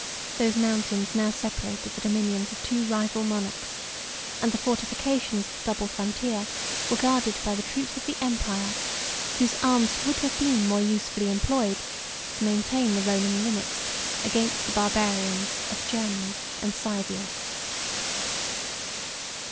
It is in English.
97 Those mountains now separated the dominions of two rival monarchs; and the fortifications of the double frontier were guarded by the troops of the empire, whose arms would have been more usefully employed to maintain the Roman limits against the Barbarians of Germany and Scythia.